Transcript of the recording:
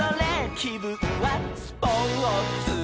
「きぶんはスポーツ」